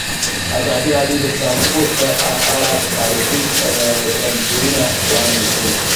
ازادي راډیو د ترانسپورټ په اړه تاریخي تمثیلونه وړاندې کړي.